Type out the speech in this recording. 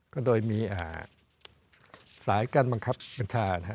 ก็โดยมีสายการบังคับบัญชานะฮะ